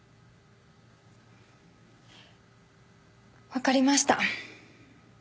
分かりました。